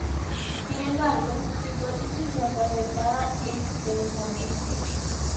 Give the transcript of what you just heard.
Sin embargo, su hipótesis no fue aceptada extensamente.